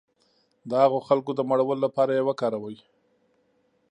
د هغو خلکو د مړولو لپاره یې وکاروي.